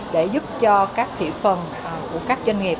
để giúp cho các thị phần của các doanh nghiệp